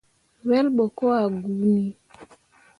Wel ɓo ko ah guuni.